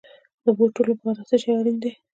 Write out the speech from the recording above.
د بوټو لپاره څه شی اړین دی؟